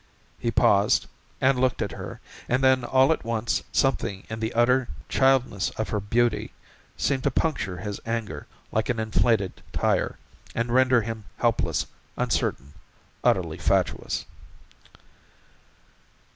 He paused and looked at her, and then all at once something in the utter childness of her beauty seemed to puncture his anger like an inflated tire, and render him helpless, uncertain, utterly fatuous.